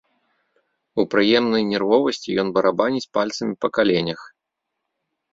У прыемнай нервовасці ён барабаніць пальцамі па каленях.